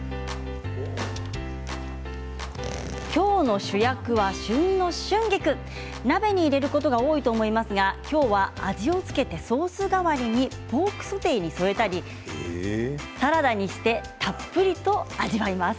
今日の主役は旬の春菊鍋に入れることが多いと思いますが今日は味を付けてソース代わりにポークソテーに添えたりサラダにしてたっぷりと味わいます。